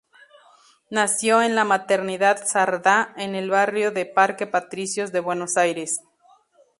Nació en la Maternidad Sardá, en el barrio de Parque Patricios de Buenos Aires.